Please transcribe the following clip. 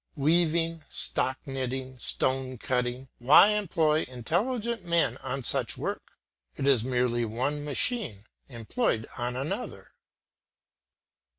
Weaving, stocking knitting, stone cutting; why employ intelligent men on such work? it is merely one machine employed on another.